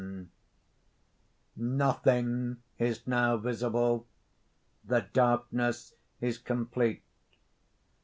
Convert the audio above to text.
_ _Nothing is now visible. The darkness is complete.